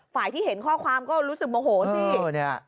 ที่เห็นข้อความก็รู้สึกโมโหสิ